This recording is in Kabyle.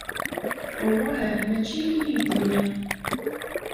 Awah mačči akken i k-d-nniɣ!